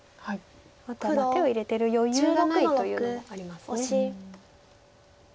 あとは手を入れてる余裕がないというのもあります。